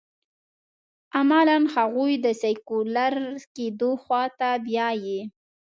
عملاً هغوی د سیکولر کېدو خوا ته بیايي.